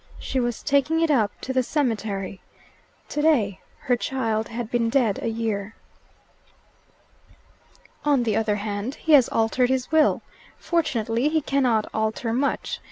She was taking it up to the cemetery: today her child had been dead a year. "On the other hand, he has altered his will. Fortunately, he cannot alter much.